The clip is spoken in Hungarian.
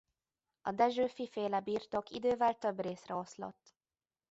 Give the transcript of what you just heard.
A Dessewffy-féle birtok idővel több részre oszlott.